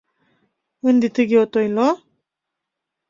Ынде тыге от ойло?